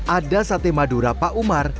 ada sate madura pak umar